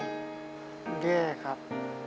แย่ครับ